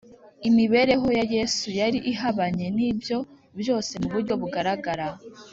imibereho ya yesu yari ihabanye n’ibyo byose mu buryo bugaragara